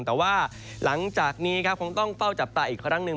แต่ว่าหลังจากนี้ครับคงต้องเฝ้าจับตาอีกครั้งหนึ่ง